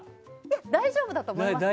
大丈夫だと思いますよ。